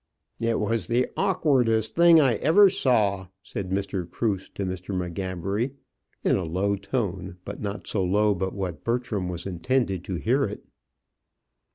"It was the awkwardest thing I ever saw," said Mr. Cruse to Mr. M'Gabbery, in a low tone, but not so low but what Bertram was intended to hear it.